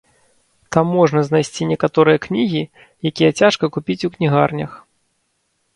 Там можна знайсці некаторыя кнігі, якія цяжка купіць у кнігарнях.